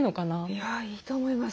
いいと思います。